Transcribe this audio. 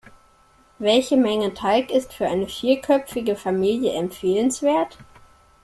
Welche Menge Teig ist für eine vierköpfige Familie empfehlenswert?